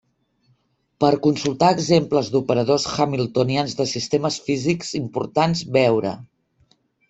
Per consultar exemples d'operadors hamiltonians de sistemes físics importants veure: